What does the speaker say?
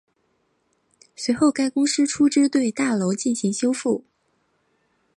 随后该公司出资对大楼进行修复。